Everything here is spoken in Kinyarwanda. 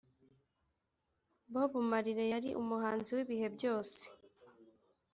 bobo marire yari umuhanzi w’ibihe byose